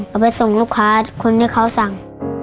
เอาไปส่งลูกค้าคนที่เขาสั่ง